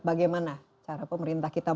bagaimana cara pemerintah kita